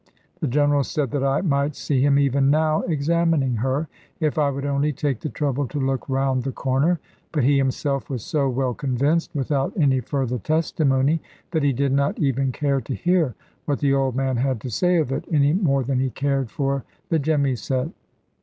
The General said that I might see him even now examining her, if I would only take the trouble to look round the corner; but he himself was so well convinced, without any further testimony, that he did not even care to hear what the old man had to say of it, any more than he cared for the jemmyset.